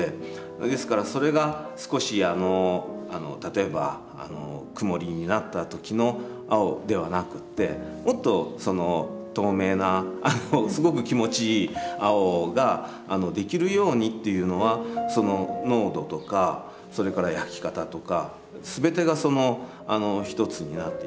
ですからそれが少し例えば曇りになった時の青ではなくてもっと透明なすごく気持ちいい青ができるようにっていうのは濃度とかそれから焼き方とか全てが一つになっていきますから。